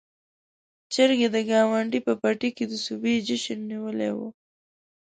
چرګې د ګاونډي په پټي کې د سوبې جشن نيولی و.